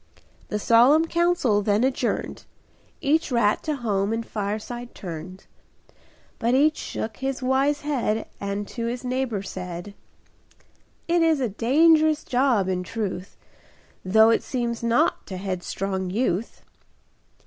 The solemn council then adjourned. Each rat to home and fireside turned; But each shook his wise head And to his neighbor said: "It is a dangerous job, in truth, Though it seems naught to headstrong youth."